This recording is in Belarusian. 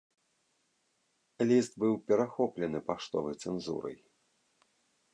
Ліст быў перахоплены паштовай цэнзурай.